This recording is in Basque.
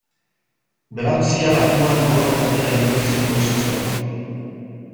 Belaontzia lakuan gora eta behera ibili zen goiz osoan.